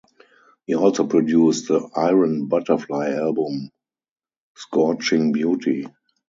He also produced the Iron Butterfly album "Scorching Beauty".